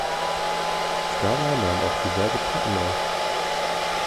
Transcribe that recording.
Scala nahm auch diverse Platten auf.